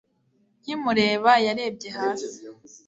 Nkimureba yarebye hasi